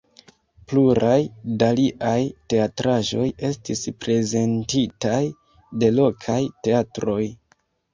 Pluraj da liaj teatraĵoj estis prezentitaj de lokaj teatroj.